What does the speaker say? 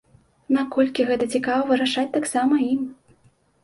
Наколькі гэта цікава, вырашаць таксама ім.